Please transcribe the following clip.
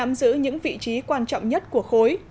nắm giữ những vị trí quan trọng nhất của khối